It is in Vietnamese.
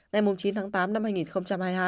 ngày chín tháng tám năm hai nghìn hai mươi hai